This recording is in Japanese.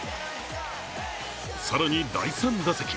更に、第３打席。